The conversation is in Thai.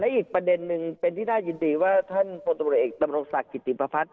และอีกประเด็นหนึ่งเป็นที่น่ายินดีว่าท่านพลตเอกตำรองศาสตร์กิจติมภาพัฒน์